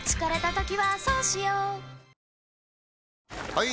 ・はい！